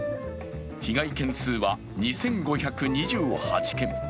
被害件数は２５２８件。